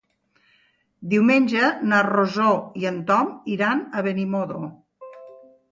Diumenge na Rosó i en Tom iran a Benimodo.